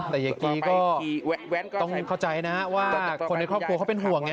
แต่ยายกีก็ต้องเข้าใจนะว่าคนในครอบครัวเขาเป็นห่วงไง